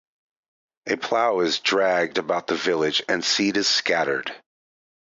A plough is dragged about the village and seed is scattered.